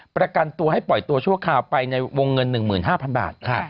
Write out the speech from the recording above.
ประกันตัวให้ปล่อยตัวชั่วคราวไปในวงเงิน๑๕๐๐บาท